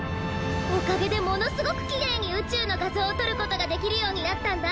おかげでものすごくきれいにうちゅうのがぞうをとることができるようになったんだ！